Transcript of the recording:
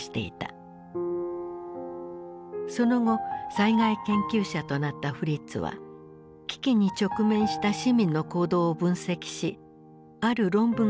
その後災害研究者となったフリッツは危機に直面した市民の行動を分析しある論文を発表した。